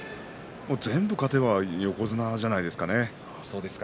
全部勝てば横綱じゃないでしょうかね。